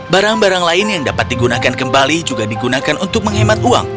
barang barang lain yang dapat digunakan kembali juga digunakan untuk menghemat uang